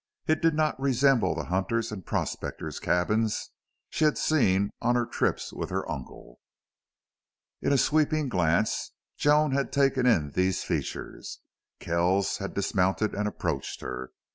It did not resemble the hunters' and prospectors' cabins she had seen on her trips with her uncle. In a sweeping glance Joan had taken in these features. Kells had dismounted and approached her.